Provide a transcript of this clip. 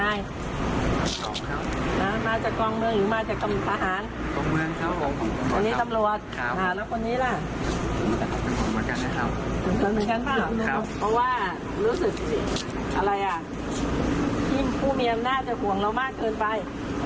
อะไรอ่ะคุณผู้มีอำนาจจะห่วงเรามากเกินไป